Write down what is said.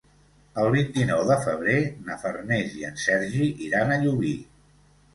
El vint-i-nou de febrer na Farners i en Sergi iran a Llubí.